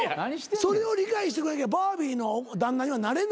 それを理解してくれなきゃバービーの旦那にはなれないよ。